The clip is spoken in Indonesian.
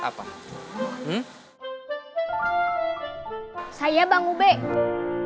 kalo gak ada yang inget gak di suratnya